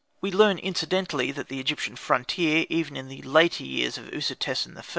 We learn incidentally that the Egyptian frontier, even in the later years of Usertesen I.